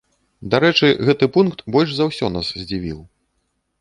Дарэчы, гэты пункт больш за ўсе нас здзівіў.